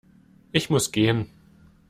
Ich muss gehen